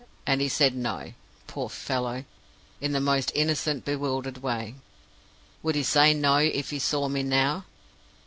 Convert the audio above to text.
And he said No, poor fellow, in the most innocent, bewildered way. Would he say No if he saw me now?